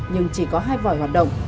nhưng chỉ có hai vòi hoạt động